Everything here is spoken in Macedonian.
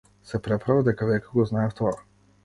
Се преправав дека веќе го знаев тоа.